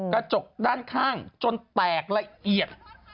กระจกด้านข้างจนแตกละเอียด